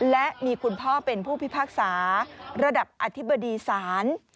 และมีคุณพ่อเป็นผู้พิพากษาระดับอธิบดีศาล